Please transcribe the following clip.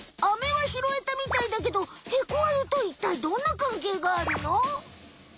あめはひろえたみたいだけどヘコアユといったいどんなかんけいがあるの？